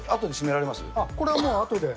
これはもう、あとで。